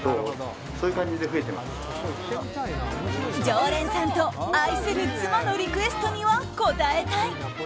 常連さんと、愛する妻のリクエストには応えたい！